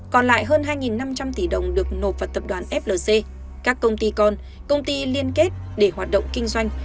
còn lại hơn hai năm trăm linh tỷ đồng được nộp vào tập đoàn flc các công ty con công ty liên kết để hoạt động kinh doanh